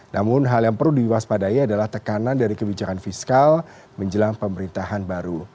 namun hal yang perlu diwaspadai adalah tekanan dari kebijakan fiskal menjelang pemerintahan baru